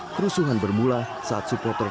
kerusuhan bermula saat supporter